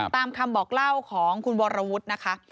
ตามคำบอกเล่าของคุณวรวุฒินะคะ